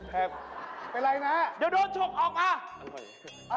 เป็นอะไรนะเดี๋ยวโดนชกออกมา